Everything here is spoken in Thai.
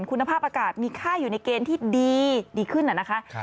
คุณภาพอากาศมีค่าอยู่ในเกณฑ์ที่ดีขึ้นนะคะ